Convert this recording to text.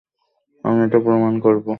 আমি এটা প্রমাণ করব।